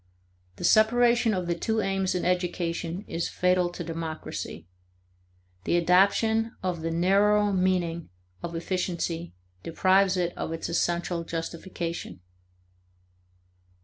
The separation of the two aims in education is fatal to democracy; the adoption of the narrower meaning of efficiency deprives it of its essential justification.